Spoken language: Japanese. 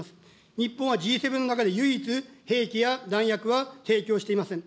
日本はＧ７の中で唯一、兵器や弾薬は提供していません。